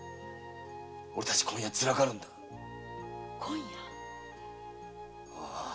オレたち今夜ズラかるんだ「今夜」？